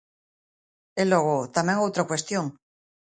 E logo, tamén outra cuestión.